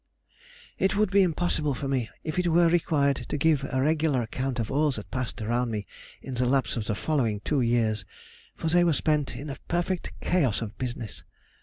It would be impossible for me, if it were required, to give a regular account of all that passed around me in the lapse of the following two years, for they were spent in a perfect chaos of business.